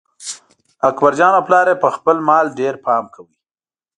اکبرجان او پلار یې په خپل مال ډېر پام کاوه.